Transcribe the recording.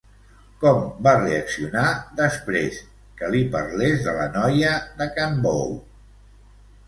Com va reaccionar després que li parlés de la noia de can Bou?